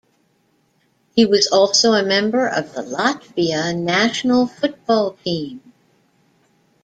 He was also a member of Latvia national football team.